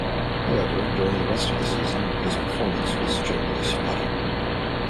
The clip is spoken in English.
However, during the rest of the season, his performance was generally spotty.